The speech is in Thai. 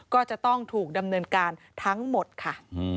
ก็จะต้องถูกดำเนินการทั้งหมดค่ะ